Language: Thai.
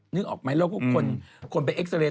นึกออกไหมแล้วก็คนไปเอ็กซาเรย